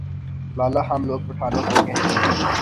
لالہ ہم لوگ پٹھانوں کو کہتے ہیں ۔